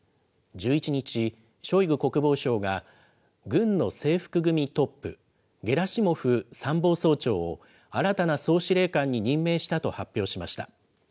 １１日、ショイグ国防相が、軍の制服組トップ、ゲラシモフ参謀総長を新たな総司令官に任命したと発表しました。